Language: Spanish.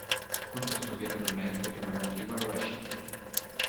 Juntos tuvieron una hija llamada Kiva Rashid.